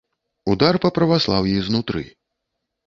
Удар па праваслаўі знутры.